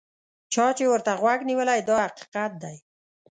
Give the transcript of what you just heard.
چا چې ورته غوږ نیولی دا حقیقت دی.